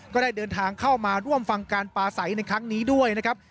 ก็ได้เดินทางเข้ามาร่วมฟังการปลาใสในครั้งนี้ด้วยนะครับ